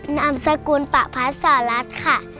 นามสกุลปะพัดสหรัฐค่ะ